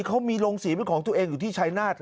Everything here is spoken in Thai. เขามีโรงสีเป็นของตัวเองอยู่ที่ชายนาฏ